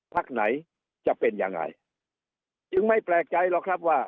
พักไหนจะเป็นยังไงจึงไม่แปลกใจหรอกครับว่า